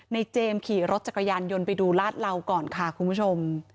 เจมส์ขี่รถจักรยานยนต์ไปดูลาดเหลาก่อนค่ะคุณผู้ชม